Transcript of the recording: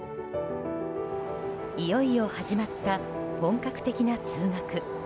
いよいよ始まった本格的な通学。